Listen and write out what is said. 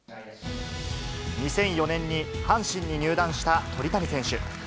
２００４年に阪神に入団した鳥谷選手。